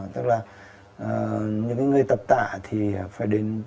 tức là những người tập tạ thì phải đến